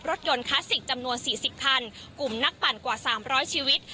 รถยนต์คลาสสิกจำนวนสี่สิบพันกลุ่มนักปั่นกว่าสามร้อยชีวิต